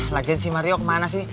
lagian si maryo kemana sih